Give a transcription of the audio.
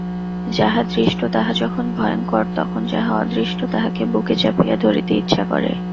যাহা দৃষ্ট তাহা যখন ভয়ংকর তখন যাহা অদৃষ্ট তাহাকে বুকে চাপিয়া ধরিতে ইচ্ছা করে।